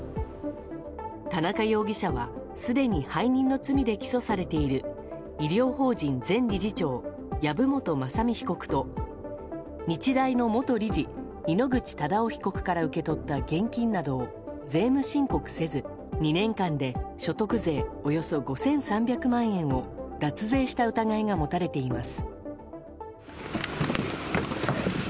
田中容疑者は、すでに背任の罪で起訴されている医療法人前理事長籔本雅巳被告と日大の元理事井ノ口忠男被告から受け取った現金などを税務申告せず２年間で所得税およそ５３００万円を脱税した疑いが持たれています。